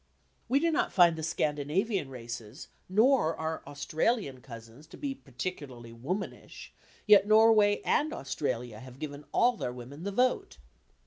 We do not find the Scandinavian races nor our Australian cousins to be particularly womanish, yet Norway and Australia have given all their women the vote.